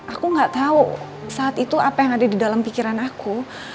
aku gak tahu saat itu apa yang ada di dalam pikiran aku